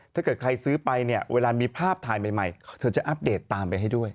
ถ้าเกิดใครซื้อไปเนี่ยเวลามีภาพถ่ายใหม่เธอจะอัปเดตตามไปให้ด้วย